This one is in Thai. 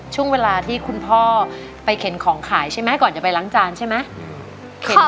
ช่วงเวลาที่คุณพ่อไปเข็นของขายใช่ไหมก่อนจะไปล้างจานใช่ไหม